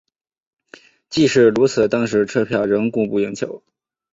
即使如此当时车票仍供不应求。